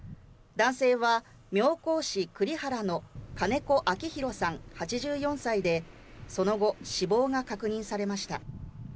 男性は妙高市栗原の金子明弘さん、８４歳でその後、死亡が確認されました。